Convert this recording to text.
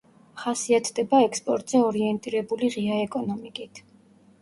ხასიათდება ექსპორტზე ორიენტირებული ღია ეკონომიკით.